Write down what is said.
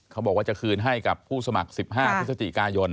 เขาบอกว่าจะคืนให้กับผู้สมัคร๑๕พฤศจิกายน